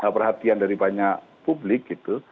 perhatian dari banyak publik gitu